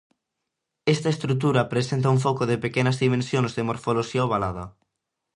Esta estrutura presenta un foco de pequenas dimensións de morfoloxía ovalada.